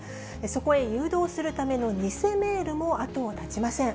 そこへ誘導するための偽メールも後を絶ちません。